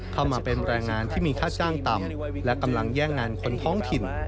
เข้ามาเป็นแรงงานที่มีค่าจ้างต่ำและกำลังแย่งงานคนท้องถิ่น